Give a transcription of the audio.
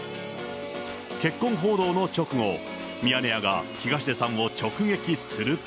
結婚報道の直後、ミヤネ屋が東出さんを直撃すると。